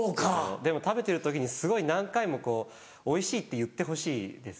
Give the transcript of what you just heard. でも食べてる時にすごい何回も「おいしい」って言ってほしいです